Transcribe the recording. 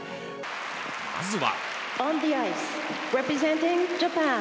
まずは。